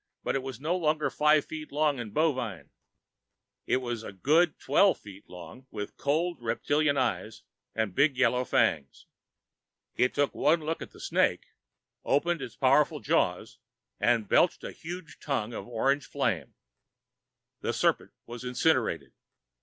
But it was no longer five feet long and bovine. It was a good twelve feet long, with cold reptilian eyes and big yellow fangs. It took one look at the snake, opened its powerful jaws, and belched a huge tongue of orange flame. The serpent was incinerated.